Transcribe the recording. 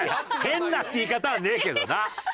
「変な」って言い方はねえけどな。